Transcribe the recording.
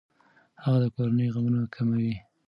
هغه د کورنۍ غمونه کموي.